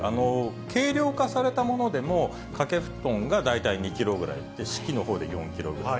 軽量化されたものでも、掛け布団が大体２キロぐらい、敷きのほうで４キロぐらい。